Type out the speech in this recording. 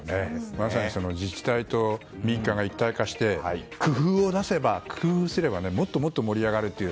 まさに自治体と民間が一体化して工夫をなせば、工夫すればもっともっと盛り上がるという。